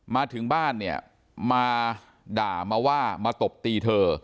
มาถึงบ้านเนี่ยมาด่ามาว่ามาตบตีเธอ